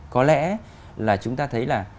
có lẽ là chúng ta thấy là